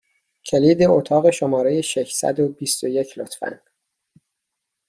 کلید اتاق شماره ششصد و بیست و یک، لطفا!